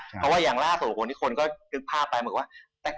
เพราะว่าอย่างล่าสุดคนที่คนก็นึกภาพไปเหมือนว่า